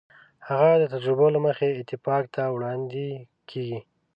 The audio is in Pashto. هغه د تجربو له مخې اتفاق ته وړاندې کېږي.